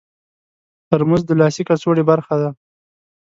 ترموز د لاسي کڅوړې برخه ده.